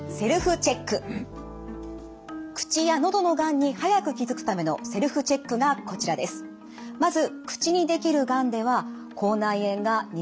口や喉のがんに早く気付くためのセルフチェックがこちらです。